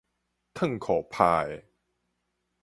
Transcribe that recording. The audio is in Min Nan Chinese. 褪褲拍的